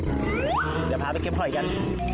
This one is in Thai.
เดี๋ยวพาไปเก็บหอยกัน